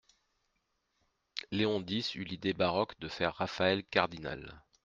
Léon dix eut l'idée baroque de faire Raphaël cardinal.